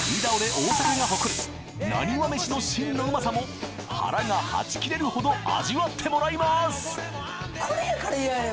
大阪が誇るなにわ飯の真のウマさも腹がはち切れるほど味わってもらいます